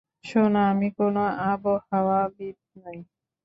সোনা, আমি কোনো আবহাওয়াবীদ নই!